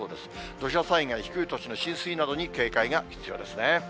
土砂災害、低い土地の浸水などに警戒が必要ですね。